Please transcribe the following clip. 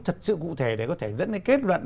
thật sự cụ thể để có thể dẫn đến kết luận